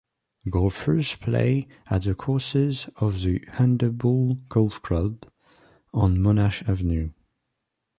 Golfers play at the course of the Underbool Golf Club on Monash Avenue.